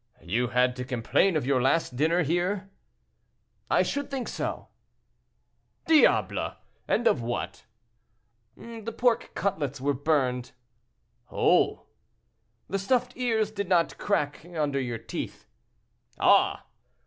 "You had to complain of your last dinner here?" "I should think so." "Diable! and of what?" "The pork cutlets were burned." "Oh!" "The stuffed ears did not crack under your teeth." "Ah!"